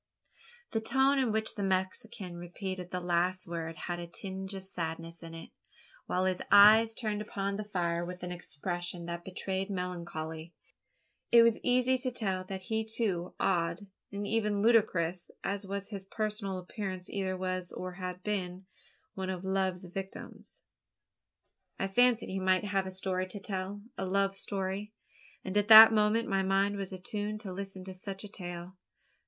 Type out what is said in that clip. The tone in which the Mexican repeated the last words had a tinge of sadness in it while his eyes turned upon the fire with an expression that betrayed melancholy. It was easy to tell that he too odd, and even ludicrous as was his personal appearance either was, or had been, one of love's victims. I fancied he might have a story to tell a love story? and at that moment my mind was attuned to listen to such a tale.